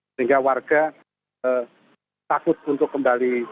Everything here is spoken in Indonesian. sehingga warga takut untuk kembali